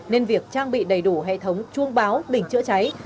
nên việc trang bị đầy đủ hệ thống chuông báo bình chữa cháy